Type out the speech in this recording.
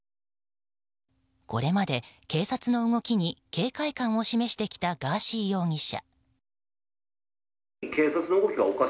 これまで警察の動きに警戒感を示してきたガーシー容疑者。